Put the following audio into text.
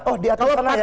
oh diaturkan aja